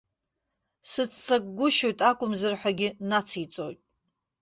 Сыццакгәышьоит акәымзар ҳәагьы нациҵоит.